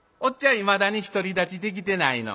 いまだに独り立ちできてないの。